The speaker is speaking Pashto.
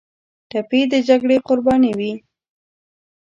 ټپي د جګړې قرباني وي.